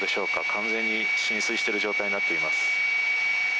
完全に浸水している状態になっています。